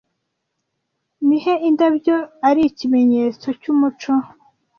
Nihe indabyo ari ikimenyetso cyumuco